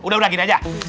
udah udah gini aja